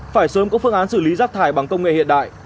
phải sớm có phương án xử lý rác thải bằng công nghệ hiện đại